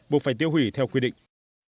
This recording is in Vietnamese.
buộc phải tiêu hủy theo quy định